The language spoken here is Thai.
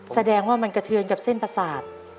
แสดงว่ามันกระเทือนกับเส้นประสาท